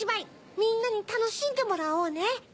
みんなにたのしんでもらおうね。